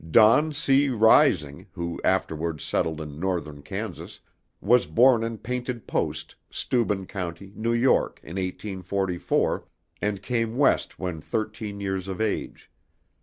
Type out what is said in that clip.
Don C. Rising, who afterwards settled in Northern Kansas, was born in Painted Post, Steuben County, New York, in 1844, and came West when thirteen years of age.